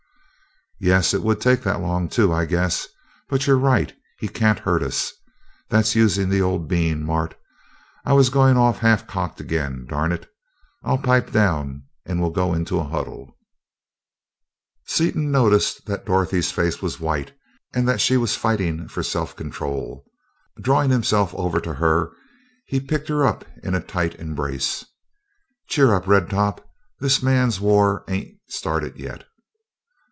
"Yes, it would take that long, too, I guess but you're right, he can't hurt us. That's using the old bean, Mart! I was going off half cocked again, darn it! I'll pipe down, and we'll go into a huddle." Seaton noticed that Dorothy's face was white and that she was fighting for self control. Drawing himself over to her, he picked her up in a tight embrace. "Cheer up, Red Top! This man's war ain't started yet!"